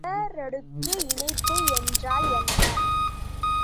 தொடரடுக்கு இணைப்பு என்றால் என்ன?